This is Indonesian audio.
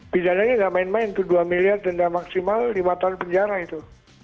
pidananya nggak main main tuh dua miliar denda maksimal lima tahun penjara itu